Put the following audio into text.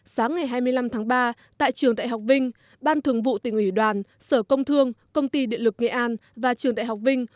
sáng ngày hai mươi năm tháng ba tại trường đại học vinh ban thường vụ tỉnh ủy đoàn sở công thương công ty điện lực nghệ an và trường đại học vinh